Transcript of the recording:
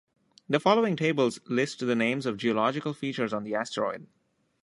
The following tables list the names of geological features on the asteroid.